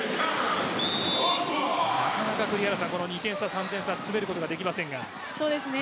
なかなか２点差、３点差詰めることはできませんがそうですね。